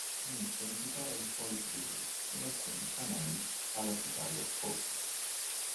Inizia a recitare alle scuole superiori, con alcuni camei al Chicago Hope.